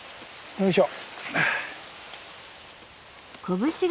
よいしょ。